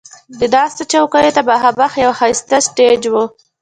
د ناستې چوکیو ته مخامخ یو ښایسته سټیج و.